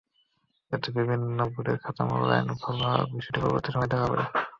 এতে বিভিন্ন বোর্ডের খাতা মূল্যায়নে ভুল হওয়ার বিষয়টি পরবর্তী সময়ে ধরা পড়ে।